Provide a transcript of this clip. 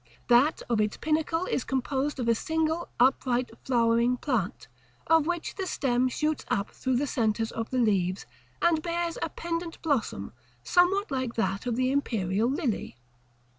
That of its pinnacle is composed of a single upright flowering plant, of which the stem shoots up through the centres of the leaves, and bears a pendent blossom, somewhat like that of the imperial lily.